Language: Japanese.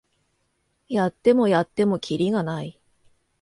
やってもやってもキリがない